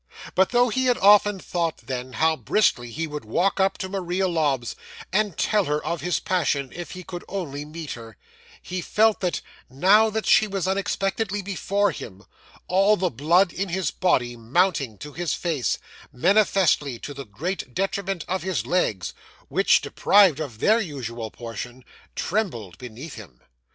But though he had often thought then, how briskly he would walk up to Maria Lobbs and tell her of his passion if he could only meet her, he felt, now that she was unexpectedly before him, all the blood in his body mounting to his face, manifestly to the great detriment of his legs, which, deprived of their usual portion, trembled beneath him.